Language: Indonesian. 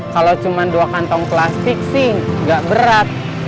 kalau cuma dua kantong plastik sih nggak berat